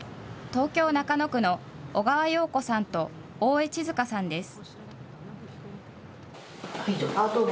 東京・中野区の小川葉子さんと大江千束さんです。